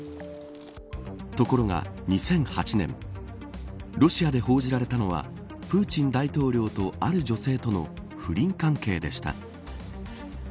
ところが２００８年ロシアで報じられたのはプーチン大統領とある女性との不倫関係でした。